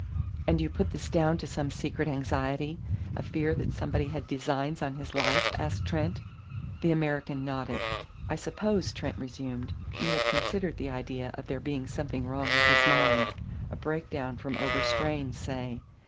"And you put this down to some secret anxiety, a fear that somebody had designs on his life?" asked Trent. The American nodded. "I suppose," Trent resumed, "you had considered the idea of there being something wrong with his mind a break down from overstrain, say.